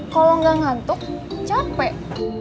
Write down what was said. kalau nggak ngantuk capek